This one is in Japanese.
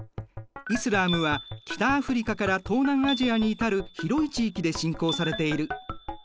イスラームは北アフリカから東南アジアに至る広い地域で信仰されている。